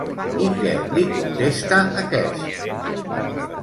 I què li contesta aquest?